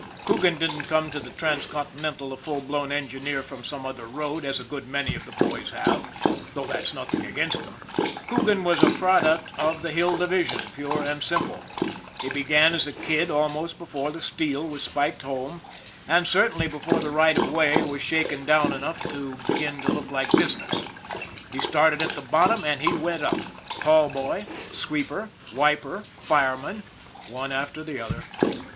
Coogan didn't come to the Transcontinental a full blown engineer from some other road as a good many of the boys have, though that's nothing against them ; Coogan was a product of the Hill Division pure and simple. He began as a kid almost before the steel was spiked home, and certainly before the right of way was GUARDIAN OF THE DEVIL'S SLIDE 157 shaken down enough to begin to look like business. He started at the bottom and he went up. Call boy, sweeper, wiper, fireman one after the other.